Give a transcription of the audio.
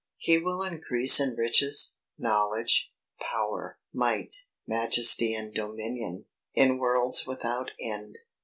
He will increase in riches, knowledge, power, might, majesty and dominion, in worlds without end.